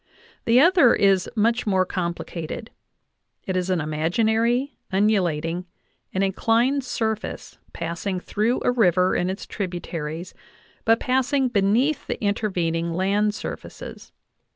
The other is much more complicated ; it is an imaginary, undu lating, and inclined surface passing through a river and its tributaries, but passing beneath the intervening land surfaces.